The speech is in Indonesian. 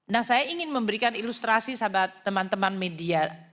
nah saya ingin memberikan ilustrasi sahabat teman teman media